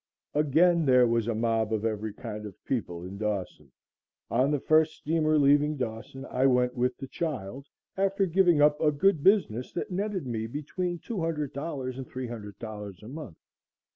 Again there was a mob of every kind of people in Dawson. On the first steamer leaving Dawson I went with the child, after giving up a good business that netted me between $200 and $300 a month.